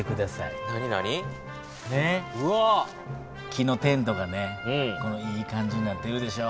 木のテントがねいい感じになってるでしょ。